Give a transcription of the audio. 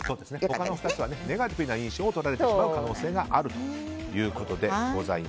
他の２つはネガティブな印象にとられてしまう可能性があるということです。